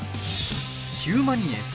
「ヒューマニエンス」